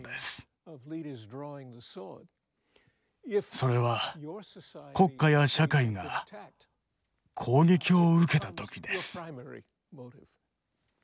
それは国家や社会が攻撃を受けた時です。